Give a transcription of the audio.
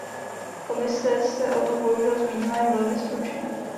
Komise se o tom bohužel zmínila jen velmi stručně.